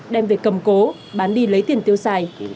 đem về cầm cố bán đi lấy tiền tiêu xài